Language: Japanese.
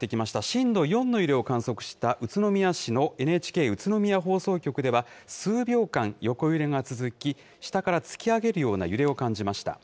震度４の揺れを観測した、宇都宮市のＮＨＫ宇都宮放送局では数秒間、横揺れが続き、下から突き上げるような揺れを感じました。